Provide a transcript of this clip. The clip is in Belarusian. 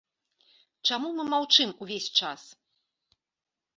Чаму мы маўчым ўвесь час?!